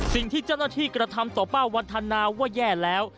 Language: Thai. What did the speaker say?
สิ่งที่เจ้าหน้าที่กระทำต่อป้าวันธนาว่าแย่แล้ว